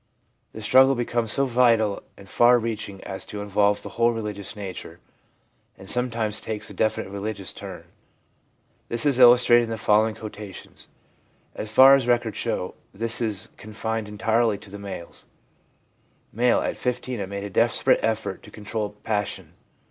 The struggle becomes so vital and far reaching as to involve the whole religious nature, and sometimes takes a definitely religious turn. This is illustrated in the following quotations. As far as records show, this is confined entirely to the males. M. 'At 15 I made a desperate effort to control passion.